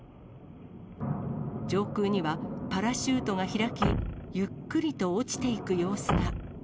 上空にはパラシュートが開き、ゆっくりと落ちていく様子が。